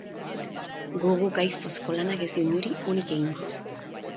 Gogo gaiztozko lanak ez dio inori onik egingo.